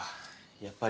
やっぱり。